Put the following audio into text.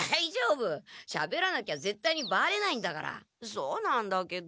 そうなんだけど。